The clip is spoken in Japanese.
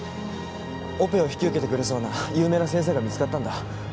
オペを引き受けてくれそうな有名な先生が見つかったんだ。